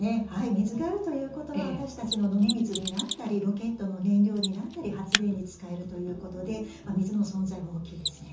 水があるということは私たちの飲み水になったりロケットの燃料になったり発電に使えるということで水の存在は大きいですね。